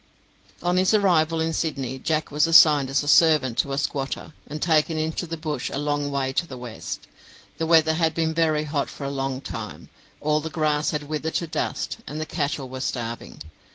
On his arrival n Sydney, Jack was assigned as a servant to a squatter, and taken into the bush a long way to the west. The weather had been very hot for a long time, all the grass had withered to dust, and the cattle were starving.